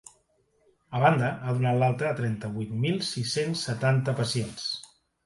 A banda, ha donat l’alta a trenta-vuit mil sis-cents setanta pacients.